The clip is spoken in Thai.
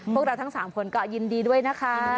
พวกเราทั้ง๓คนก็ยินดีด้วยนะคะ